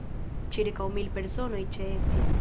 Ĉirkaŭ mil personoj ĉeestis.